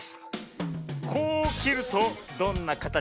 こうきるとどんなかたちでしょうか？